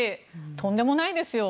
とんでもないですよ。